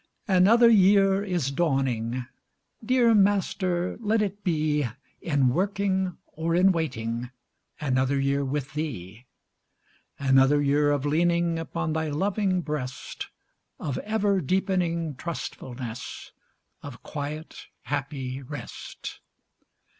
Another year is dawning! Dear Master, let it be In working or in waiting, Another year with Thee. Another year of leaning Upon Thy loving breast, Of ever deepening trustfulness, Of quiet, happy rest.